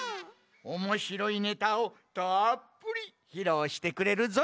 おもしろいネタをたっぷりひろうしてくれるぞい。